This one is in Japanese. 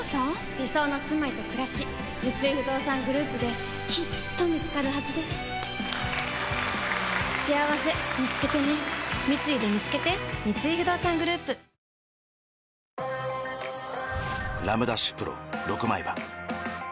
理想のすまいとくらし三井不動産グループできっと見つかるはずですしあわせみつけてね三井でみつけて磧孱味腺唯庁腺咤函。